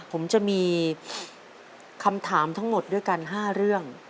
ผมจะมีคำถามทั้งหมดด้วยกัน๕เรื่อง